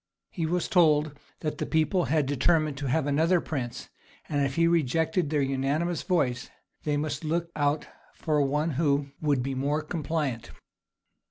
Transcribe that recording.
He was told that the people had determined to have another prince; and if he rejected their unanimous voice, they must look out for one who would be more compliant.